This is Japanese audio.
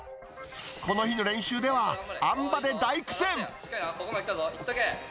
この日の練習では、あん馬で大苦いっとけ！